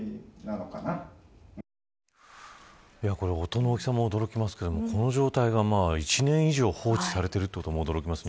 音の大きさも驚きですがこの状態が１年以上放置されていることに驚きます。